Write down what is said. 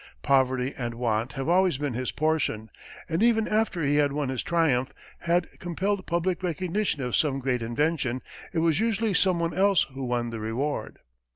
Poverty and want have always been his portion, and even after he had won his triumph, had compelled public recognition of some great invention, it was usually some one else who won the reward.